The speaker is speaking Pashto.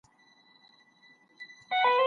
د تاریخي پېښو ارزونه باید په دقت سره وسي.